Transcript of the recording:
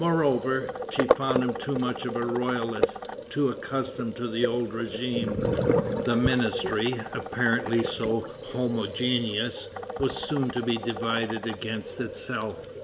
Moreover, she found him too much of a royalist, too accustomed to the old régime. The ministry, apparently so homogeneous, was soon to be divided against itself.